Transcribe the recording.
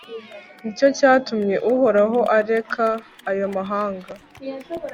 ni cyo cyatumye uhoraho areka ayo mahanga